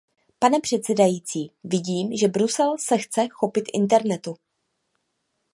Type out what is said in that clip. Pane předsedající, vidím, že Brusel se chce chopit internetu.